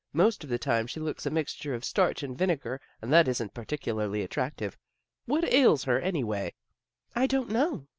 Most of the time she looks a mixture of starch and vinegar that isn't particularly attractive. What ails her, anyway? "" I don't know."